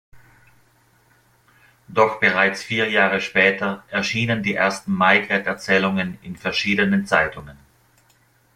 Doch bereits vier Jahre später erschienen die ersten Maigret-Erzählungen in verschiedenen Zeitungen.